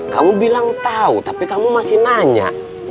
kamu bilang tahu tapi kamu masih nanya